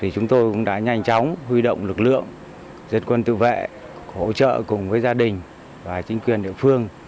chúng tôi cũng đã nhanh chóng huy động lực lượng dân quân tự vệ hỗ trợ cùng với gia đình và chính quyền địa phương